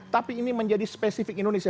tapi ini menjadi spesifik indonesia